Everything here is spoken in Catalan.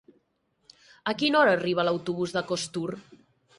A quina hora arriba l'autobús de Costur?